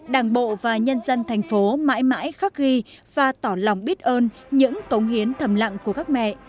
đảng bộ và nhân dân thành phố mãi mãi khắc ghi và tỏ lòng biết ơn những cống hiến thầm lặng của các mẹ